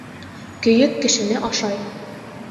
Көйөк кешене ашай.